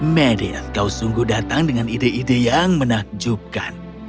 medith kau sungguh datang dengan ide ide yang menakjubkan